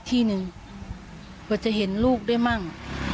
ที่นึงก็จะเห็นลูกได้มั่ง